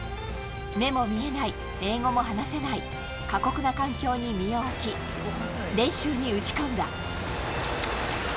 目も見えない英語も話せない過酷な環境に身を置き練習に打ち込んだ。